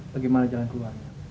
bagaimana jalan keluarnya